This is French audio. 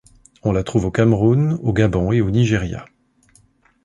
On la trouve au Cameroun, au Gabon et au Nigeria.